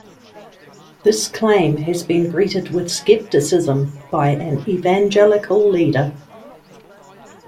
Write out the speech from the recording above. This claim has been greeted with skepticism by an evangelical leader.